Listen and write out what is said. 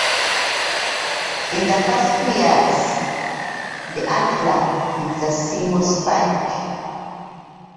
In the first two years, the antler is a single spike.